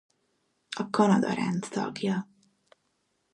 A Kanada Rend tagja.